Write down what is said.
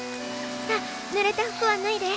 さあぬれた服はぬいで。